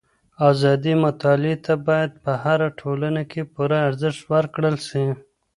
ازادي مطالعې ته بايد په هره ټولنه کي پوره ارزښت ورکړل سي.